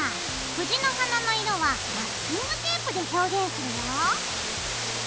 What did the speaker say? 藤の花の色はマスキングテープで表現するよ。